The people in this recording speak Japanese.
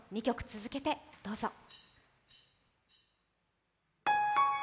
２曲続けてどうぞ。